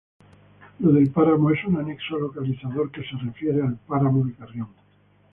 Lo del Páramo es un anexo localizador que se refiere al páramo de Carrión.